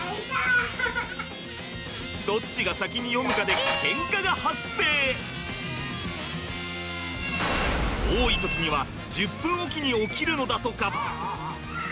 どっちが先に読むかで多い時には１０分置きに起きるのだとか。